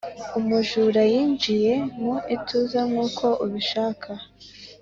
umujura yinjiye mu ituze nkuko ubishaka.